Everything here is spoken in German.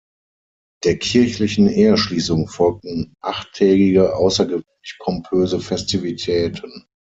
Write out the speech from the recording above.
Der kirchlichen Eheschließung folgten achttägige, außergewöhnlich pompöse Festivitäten.